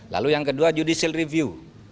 lalu yang kedua judicial review